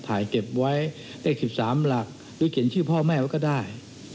ถ่ายเก็บไว้เลข๑๓หลักหรือเขียนชื่อพ่อแม่ไว้ก็ได้